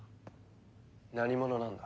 何者なんだ？